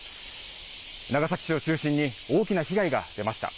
長崎市を中心に大きな被害が出ました。